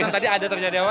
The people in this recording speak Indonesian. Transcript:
tadi ada terjadi apa